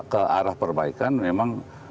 ke arah perbaikan memang